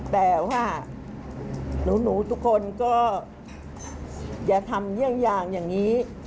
แต่ว่าหนูทุกคนก็อย่าทำเยี่ยงอย่างอย่างนี้